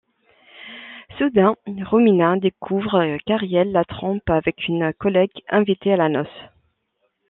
Soudain, Romina découvre qu'Ariel la trompe avec une collègue, invitée à la noce.